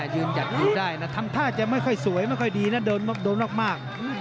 ยืนหยัดอยู่ได้นะทำท่าจะไม่ค่อยสวยไม่ค่อยดีนะโดนมาก